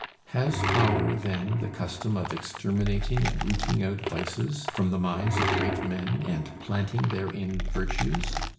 Has power, then, the custom of exterminating and rooting out vices from the minds of great men and planting therein virtues?